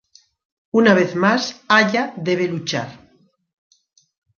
Una vez más Aya debe luchar.